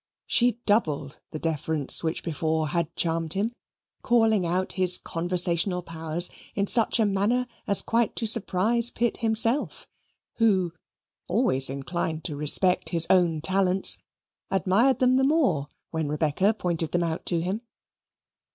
She doubled the deference which before had charmed him, calling out his conversational powers in such a manner as quite to surprise Pitt himself, who, always inclined to respect his own talents, admired them the more when Rebecca pointed them out to him.